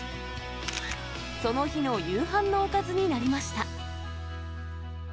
その日の夕飯のおかずになりました。